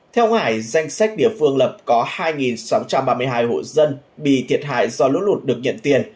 theo hải danh sách địa phương lập có hai sáu trăm ba mươi hai hộ dân bị thiệt hại do lũ lụt được nhận tiền